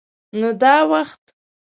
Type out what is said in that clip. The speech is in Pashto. _نو دا وخت؟